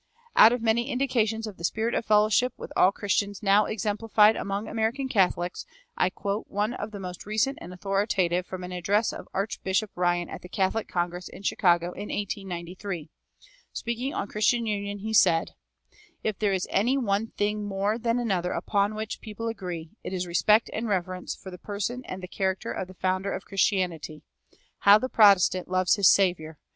Out of many indications of the spirit of fellowship with all Christians now exemplified among American Catholics, I quote one of the most recent and authoritative from an address of Archbishop Ryan at the Catholic Congress in Chicago in 1893. Speaking on Christian union, he said: "If there is any one thing more than another upon which people agree, it is respect and reverence for the person and the character of the Founder of Christianity. How the Protestant loves his Saviour!